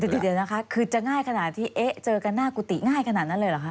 เดี๋ยวนะคะคือจะง่ายขนาดที่เอ๊ะเจอกันหน้ากุฏิง่ายขนาดนั้นเลยเหรอคะ